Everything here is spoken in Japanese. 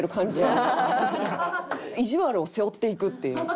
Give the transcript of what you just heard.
いじわるを背負っていくっていう。